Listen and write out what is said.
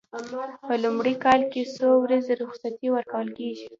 په لومړي کال څو ورځې رخصتي ورکول کیږي؟